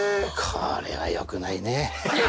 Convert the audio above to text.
これは良くないね。